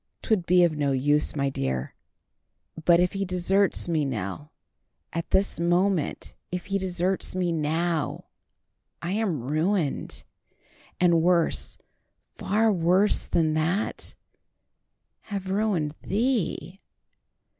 "'Twould be of no use, my dear. But if he deserts me, Nell, at this moment, if he deserts me now, I am ruined; and worse—far worse than that—have ruined thee.